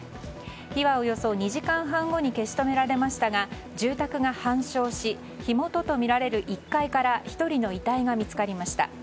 火はおよそ２時間半後に消し止められましたが住宅が半焼し火元とみられる１階から１人の遺体が見つかりました。